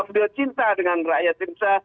beliau cinta dengan rakyat indonesia